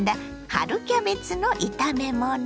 春キャベツの炒め物。